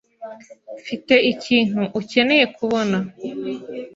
Mfite ikintu ukeneye kubona.